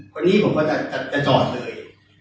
วันนี้ผมก็จะจอดเลย